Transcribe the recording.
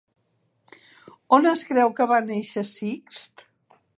On es creu que va néixer Sixt?